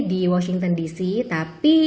di washington dc tapi